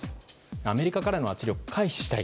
アメリカからの圧力を回避したい。